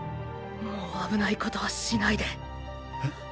もう危ないことはしないで。